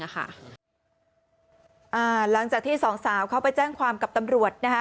หลังจากที่สองสาวเขาไปแจ้งความกับตำรวจ